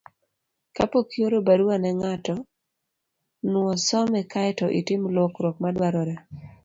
Kapok ioro barua ne ng'ato, nuo some kae to itim lokruok madwarore.